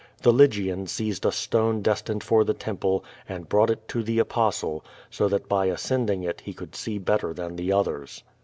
Tlie Lygian seized a stone destined for the temple, and brought it to the Apostle, so that by ascending it he could see better than the others.